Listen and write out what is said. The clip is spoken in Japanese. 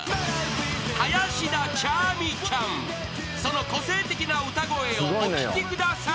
［その個性的な歌声をお聴きください］